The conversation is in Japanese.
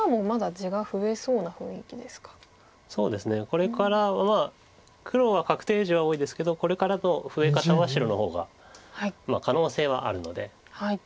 これから黒は確定地は多いですけどこれからの増え方は白の方が可能性はあるので。